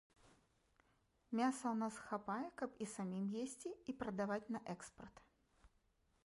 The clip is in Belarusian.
Мяса ў нас хапае, каб і самім есці, і прадаваць на экспарт.